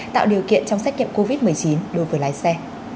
tạo điều kiện trong xét nghiệm covid một mươi chín đối với lái xe